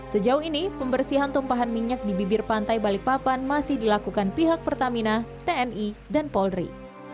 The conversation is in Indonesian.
sejauh ini pembersihan tumpahan minyak di bibir pantai balikpapan masih dilakukan pihak pertamina tni dan polri